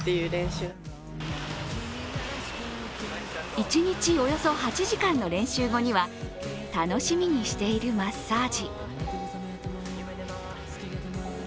１日およそ８時間の練習後には楽しみにしているマッサージ。